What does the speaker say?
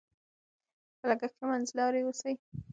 په لګښت کې منځلاري اوسئ.